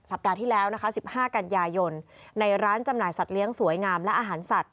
ปัดที่แล้วนะคะ๑๕กันยายนในร้านจำหน่ายสัตว์เลี้ยงสวยงามและอาหารสัตว